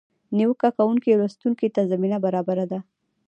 نیوکه کوونکي لوستونکي ته زمینه برابره ده.